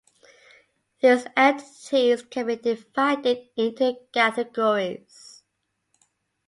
These entities can be divided into categories.